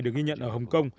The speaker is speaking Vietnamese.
được ghi nhận ở hồng kông